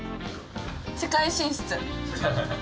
「世界進出」。